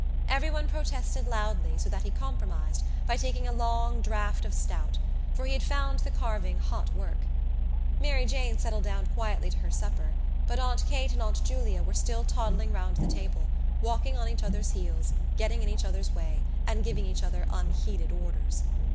Everyone protested loudly so that he compromised by taking a long draught of stout for he had found the carving hot work. Mary Jane settled down quietly to her supper but Aunt Kate and Aunt Julia were still toddling round the table, walking on each other's heels, getting in each other's way and giving each other unheeded orders.